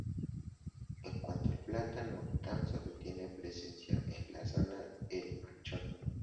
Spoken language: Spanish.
En cuanto al plátano tan sólo tiene presencia en la zona de El Manchón.